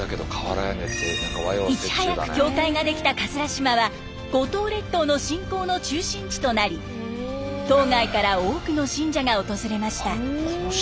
いち早く教会ができた島は五島列島の信仰の中心地となり島外から多くの信者が訪れました。